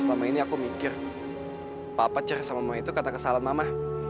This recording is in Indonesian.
selama ini aku mikir papa cer sama mama itu kata kesalahan mama